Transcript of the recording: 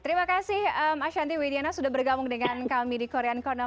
terima kasih mas hanti widiana sudah bergabung dengan kami di korean corner